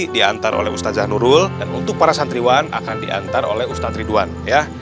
diantar oleh ustadzah nurul dan untuk para santriwan akan diantar oleh ustadz ridwan ya